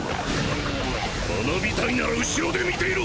学びたいなら後ろで見ていろ！！